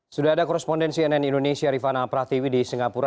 sudah ada korespondensi nn indonesia rifana pratiwi di singapura